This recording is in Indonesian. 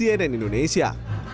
tim liputan cnn indonesia